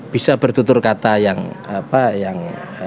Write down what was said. bisa bertutur kata yang apa yang